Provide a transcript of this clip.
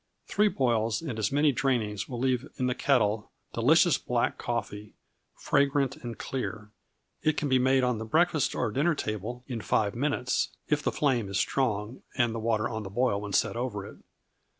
Three boils and as many drainings will leave in the kettle delicious black coffee, fragrant and clear. It can be made on the breakfast or dinner table in five minutes, if the flame be strong and the water on the boil when set over it.